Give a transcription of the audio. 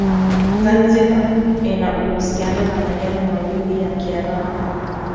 Zanzibar ina uhusiano na maneno mawili ya Kiarabu.